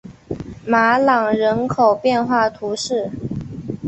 马朗人口变化图示